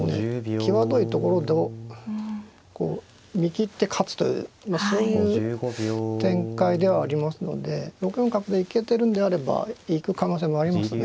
際どいところをこう見切って勝つというまあそういう展開ではありますので６四角で行けてるんであれば行く可能性もありますね。